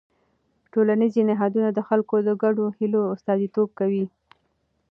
ټولنیز نهادونه د خلکو د ګډو هيلو استازیتوب کوي.